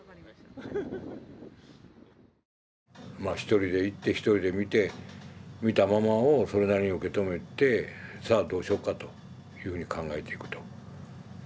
まあ一人で行って一人で見て見たままをそれなりに受け止めてさあどうしようかというふうに考えていくと。